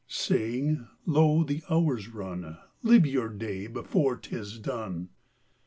Saying "Lo, the hours run! Live your day before 'tis done!"